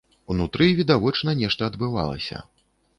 Унутры відавочна нешта адбывалася.